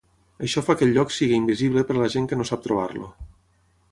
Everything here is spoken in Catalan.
Això fa que el lloc sigui invisible per a la gent que no sap trobar-lo.